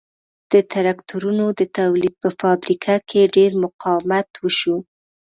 د ترکتورونو د تولید په فابریکه کې ډېر مقاومت وشو